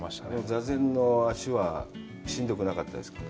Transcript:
座禅の足はしんどくなかったですか？